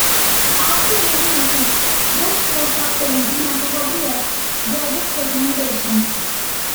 After leaving office, Bush took up painting as a hobby at Gaddis's recommendation.